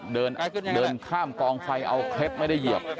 เดินข้ามกองไฟเอาเคล็ดไม่ได้เหยียบ